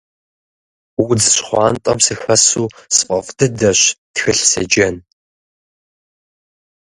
Удз щхъуантӏэм сыхэсу сфӏэфӏ дыдэщ тхылъ седжэн.